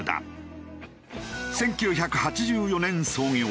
１９８４年創業。